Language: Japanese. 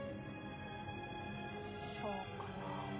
そうかな。